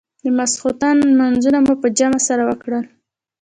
د ماخستن لمونځونه مو په جمع سره وکړل.